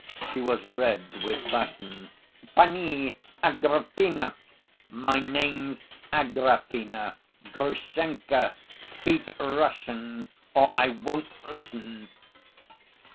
She was red with passion. "Pani Agrippina—" "My name's Agrafena, Grushenka, speak Russian or I won't listen!"